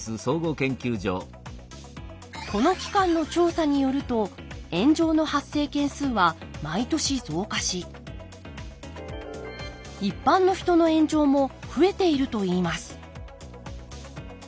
この機関の調査によると炎上の発生件数は毎年増加し一般の人の炎上も増えているといいます。